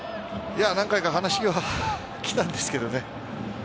何回か話は来たんですけどね。